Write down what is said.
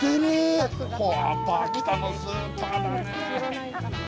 やっぱ秋田のスーパーだねえ。